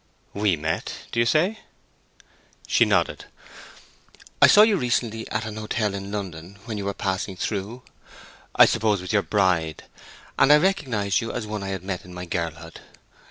"We met, do you say?" She nodded. "I saw you recently at an hotel in London, when you were passing through, I suppose, with your bride, and I recognized you as one I had met in my girlhood.